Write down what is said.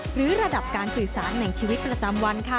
หรือระดับการสื่อสารในชีวิตประจำวันค่ะ